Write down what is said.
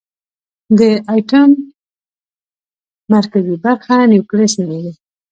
د ایټم مرکزي برخه نیوکلیس نومېږي.